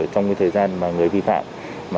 trong thời gian người vi phạm